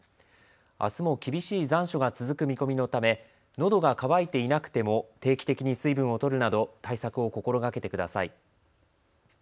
あすも厳しい残暑が続く見込みのため、のどが渇いていなくても定期的に水分をとるなど対策を心がけてください。